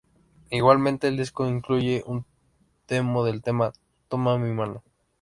Igualmente el disco incluye un demo del tema Toma mi mano.